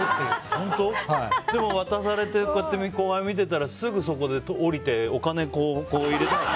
でも、渡されてこうやって見てたらすぐそこで降りてお金を入れて。